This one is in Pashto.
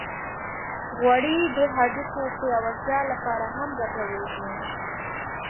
غوړې د هډوکو پیاوړتیا لپاره هم ګټورې دي.